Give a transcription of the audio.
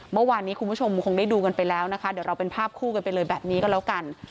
เมื่อวานนี้คุณผู้ชมคงได้ดูกันไปแล้วนะคะเดี๋ยวเราเป็นภาพคู่กันไปเลยแบบนี้ก็แล้วกัน